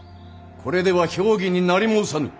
これでは評議になり申さぬ。